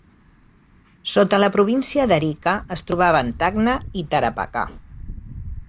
Sota la província d'Arica es trobaven Tacna i Tarapacá.